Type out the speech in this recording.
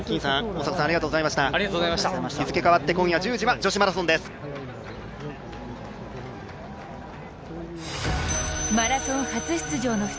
日付変わって、今夜１０時は女子マラソンです。